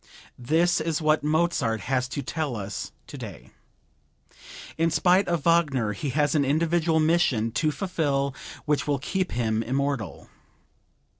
This is what Mozart has to tell us today. In spite of Wagner he has an individual mission to fulfill which will keep him immortal.